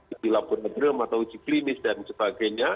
uji laboratorium atau uji klinis dan sebagainya